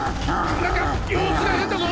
なんか様子が変だぞ！